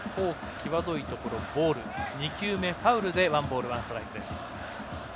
際どいところ、ボール２球目、ファウルでワンボール、ワンストライク。